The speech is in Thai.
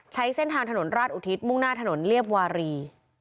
ใช้เส้นทางถนนราชอุทิศมุ่งหน้าถนนเรียบวารี